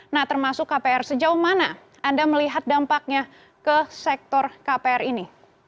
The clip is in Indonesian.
nah termasuk kpr sejauh mana anda melihat dampaknya ke sektor kpr ini